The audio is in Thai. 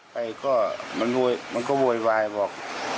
ไปก็มันโหยมันก็โหโหยวายบอก